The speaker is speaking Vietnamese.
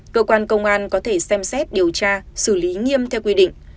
cơ quan công an có thể xem xét điều tra xử lý nghiêm theo quy định